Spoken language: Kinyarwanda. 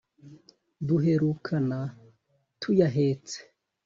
Duherukana tuyahetse